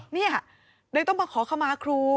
นี่เลยต้องมาขอขมาครู